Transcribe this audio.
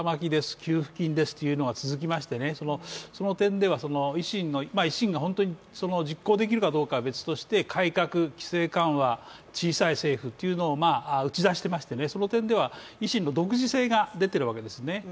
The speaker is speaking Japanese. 給付金ですというのが続きましてその点では、維新が本当に実行できるかどうかは別にして改革、規制緩和、小さい政府というのを打ち出していまして、その点では維新の独自性が出ているわけですね。